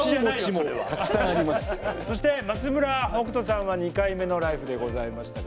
そして松村北斗さんは２回目の「ＬＩＦＥ！」でございましたが。